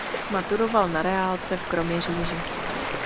Maturoval na reálce v Kroměříži.